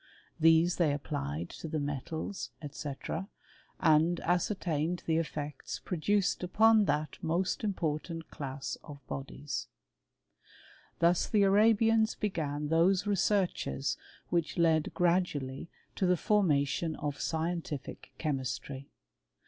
These they^ applied to the metals, &c., and ascertained the efFeetjT produced upon that most important class of bodielk|[ Thus the Arabians began those researches which h gradually to the formation of scientific chemistry.